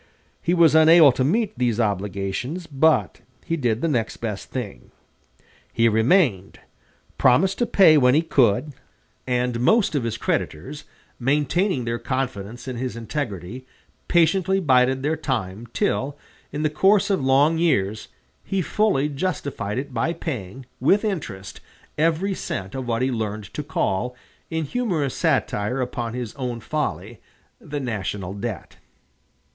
He was unable to meet these obligations, but he did the next best thing. He remained, promised to pay when he could, and most of his creditors, maintaining their confidence in his integrity, patiently bided their time, till, in the course of long years, he fully justified it by paying, with interest every cent of what he learned to call, in humorous satire upon his own folly, the "national debt."